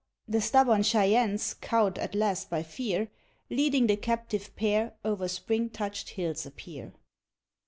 The stubborn Cheyennes, cowed at last by fear, Leading the captive pair, o'er spring touched hills appear.